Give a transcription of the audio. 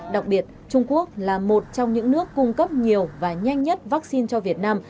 đặc biệt trung quốc là một trong những nước cung cấp nhiều và nhanh nhất vaccine cho việt nam